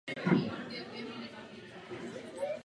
Jsou dobrým výchozím bodem, ale je zapotřebí je dále rozvíjet.